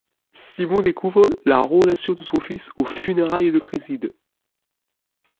Simon découvre la relation de son fils aux funérailles de Criside.